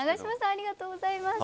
ありがとうございます。